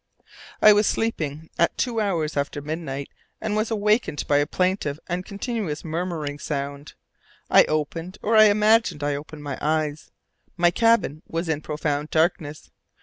I was sleeping at two hours after midnight and was awakened by a plaintive and continuous murmuring sound. I opened or I imagined I opened my eyes. My cabin was in profound darkness.